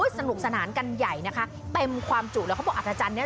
สนุกสนานกันใหญ่นะคะเต็มความจุแล้วเขาบอกอัธจันทร์เนี่ย